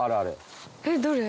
えっどれ？